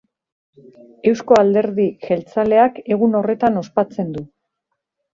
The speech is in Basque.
Eusko Alderdi Jeltzaleak egun horretan ospatzen du.